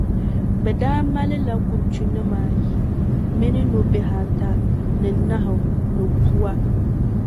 Bɛ daa malila kurichunima ayi mini nobihi ata ni nahu ni bua.